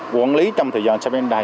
quản lý trong thời gian sắp đến nay